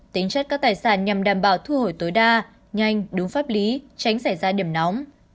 tính chất các tài sản nhằm đảm bảo thu hồi tối đa nhanh đúng pháp lý tránh xảy ra điểm nóng